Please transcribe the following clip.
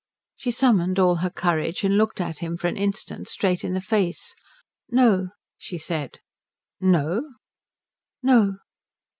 She summoned all her courage, and looked at him for an instant straight in the face. "No," she said. "No?" "No."